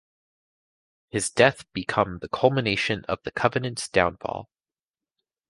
His death become the culmination of the Covenant's downfall.